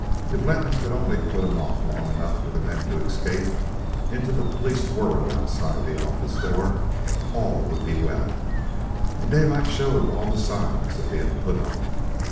If Letton could only put him off long enough for them to escape into the policed world outside the office door, all would be well; and Daylight showed all the signs of being put off.